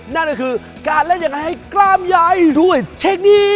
นั่นก็คือการเล่นอย่างไรให้กล้ามยายด้วยเทคนิค